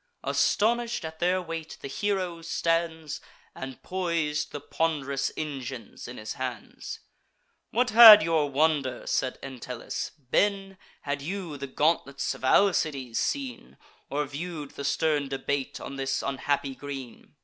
Astonish'd at their weight, the hero stands, And pois'd the pond'rous engines in his hands. "What had your wonder," said Entellus, "been, Had you the gauntlets of Alcides seen, Or view'd the stern debate on this unhappy green!